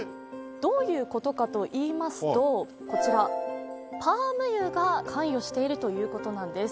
どういうことかといいますとこちらパーム油が関与しているということなんです